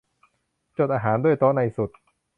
จดอาหารด้วย โต๊ะในสุด